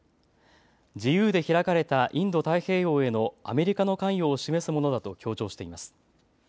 自由で開かれたインド太平洋へのアメリカの関与を示すものだと強調しています。